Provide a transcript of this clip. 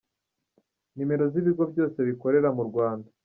Nimero z’ibigo byose bikorera mu Rwanda.